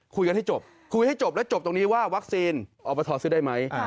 คุยกันให้จบคุยให้จบแล้วจบตรงนี้ว่าวัคซีนอปทซื้อได้ไหม